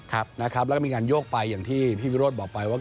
แล้วก็มีการโยกไปอย่างที่พี่วิโรธบอกไปว่า